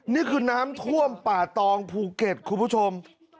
นี่คือน้ำท่วมป่าตองภูเก็ตคุณผู้ชม